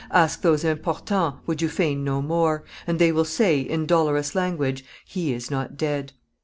Ask those Importants, would you fain know more And they will say in dolorous language, 'He is not dead.